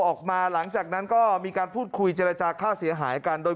หลังจากนั้นก็มีการพูดคุยเจรจาค่าเสียหายกันโดย